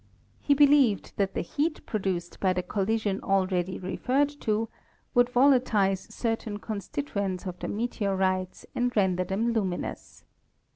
He believed that the heat produced by the collision already referred to would vola tize certain constituents of the meteorites and render them luminous.